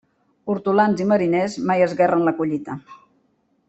Hortolans i mariners, mai esguerren la collita.